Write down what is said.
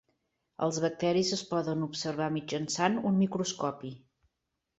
Els bacteris es poden observar mitjançant un microscopi.